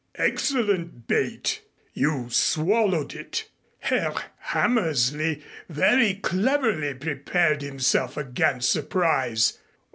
Excellent bait. You swallowed it. Herr Hammersley very cleverly prepared himself against surprise.